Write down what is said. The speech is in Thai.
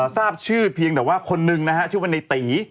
ทราบชื่อเพียงแต่ว่าคนหนึ่งชื่อว่านายติ๋